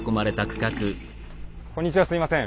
こんにちはすいません。